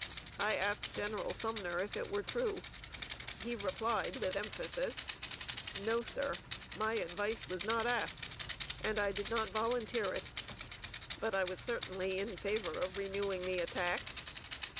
I asked General Sumner if it were true. He replied, with emphasis: "No, sir! My advice was not asked, and I did not volunteer it. But I was certainly in favor of renewing the attack.